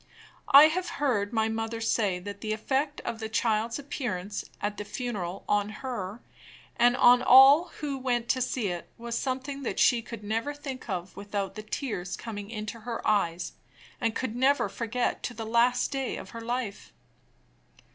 I have heard my mother say that the effect of the child's appearance at the funeral on her, and on all who went to see it, was something that she could never think of without the tears coming into her eyes, and could never forget to the last day of her life.